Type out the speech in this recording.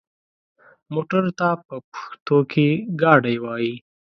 موټر ته په پښتو کې ګاډی وايي.